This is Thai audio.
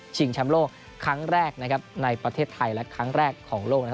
แชมป์โลกครั้งแรกในประเทศไทยและครั้งแรกของโลก